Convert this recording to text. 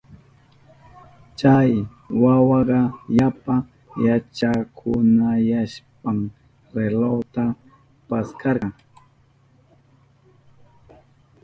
Chay wawaka yapa yachakunayashpan relojta paskarka.